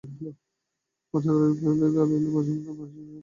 বসন্ত রায়ের চোখে জল পড়িতে লাগিল, প্রতাপাদিত্য পাষাণমূর্তির ন্যায় বসিয়া রহিলেন।